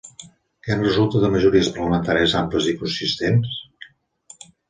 Què en resulta de majories parlamentàries àmplies i consistents?